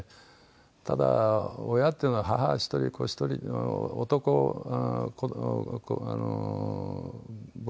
ただ親っていうのは母一人子一人男うーん。